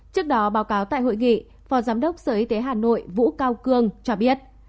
trước đó báo cáo tại hội nghị phó giám đốc sở y tế hà nội vũ cao cương cho biết